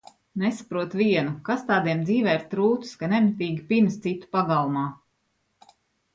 Nesaprotu vienu, kas tādiem dzīvē ir trūcis, ka nemitīgi pinas citu pagalmā?